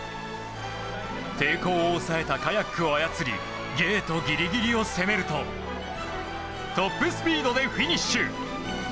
抵抗を抑えたカヤックを操りゲートギリギリを攻めるとトップスピードでフィニッシュ。